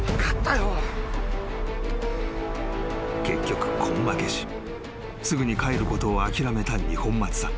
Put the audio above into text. ［結局根負けしすぐに帰ることを諦めた二本松さん］